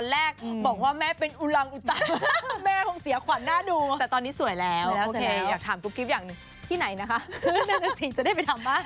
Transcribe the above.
แล้วมันได้เวลาที่จะเปลี่ยนแล้ว